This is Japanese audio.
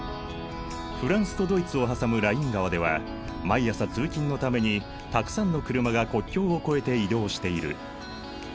フランスとドイツを挟むライン川では毎朝通勤のためにたくさんの車が国境を越えて移動している。